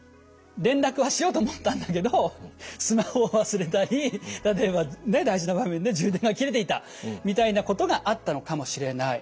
連絡はしようと思ったんだけどスマホを忘れたり例えば大事な場面で充電が切れていたみたいなことがあったのかもしれない。